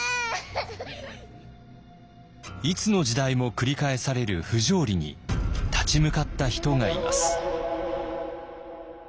いつの時代も繰り返される不条理に立ち向かった人がいます。